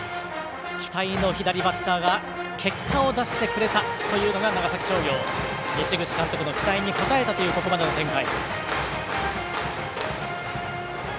期待の左バッターが結果を出してくれたというのが長崎商業、西口監督の期待に応えたというここまでの展開。